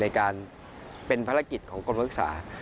ในการเป็นภารกิจของกรมศึกษา